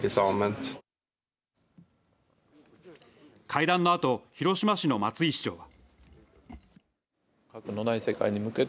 会談のあと広島市の松井市長は。